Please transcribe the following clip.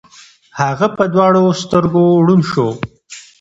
هغه په دواړو سترګو ړوند شو.